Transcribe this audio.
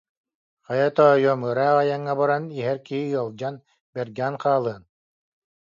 Хайа, тоойуом, ыраах айаҥҥа баран иһэр киһи ыалдьан, бэргээн хаалыаҥ